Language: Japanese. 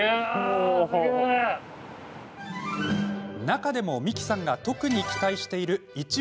中でも三木さんが特に期待しているイチ